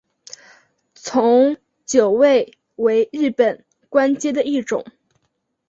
从九位为日本官阶的一种。